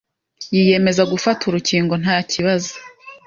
yiyemeza gufata urukingo ntakibazo